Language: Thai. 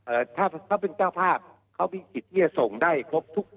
ถ้าเขาเป็นเจ้าภาพเขามีสิทธิ์ที่จะส่งได้ครบทุก